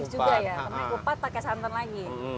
unik juga ya temennya kupat pakai santan lagi